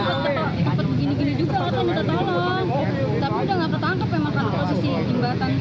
tapi udah gak tertangkap emang karena posisi jembatan sama air